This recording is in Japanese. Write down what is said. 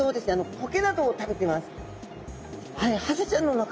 コケなどを食べてます。